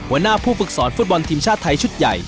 หัวหน้าผู้ฝึกสอนฟุตบอลทีมชาติไทยชุดใหญ่